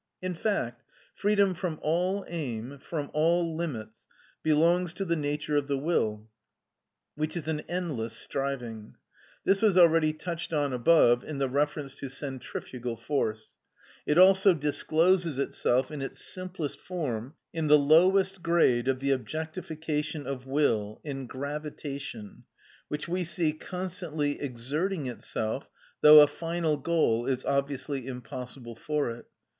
In fact, freedom from all aim, from all limits, belongs to the nature of the will, which is an endless striving. This was already touched on above in the reference to centrifugal force. It also discloses itself in its simplest form in the lowest grade of the objectification of will, in gravitation, which we see constantly exerting itself, though a final goal is obviously impossible for it.